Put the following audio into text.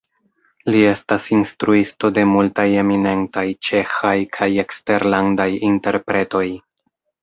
Li estas instruisto de multaj eminentaj ĉeĥaj kaj eksterlandaj interpretoj.